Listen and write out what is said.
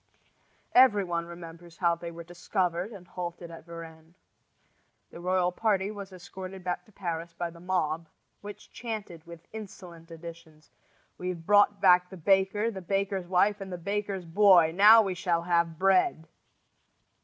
Every one remembers how they were discovered and halted at Varennes. The royal party was escorted back to Paris by the mob, which chanted with insolent additions: "We've brought back the baker, the baker's wife, and the baker's boy! Now we shall have bread!"